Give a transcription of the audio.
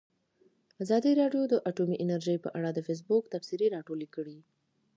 ازادي راډیو د اټومي انرژي په اړه د فیسبوک تبصرې راټولې کړي.